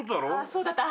そうだった。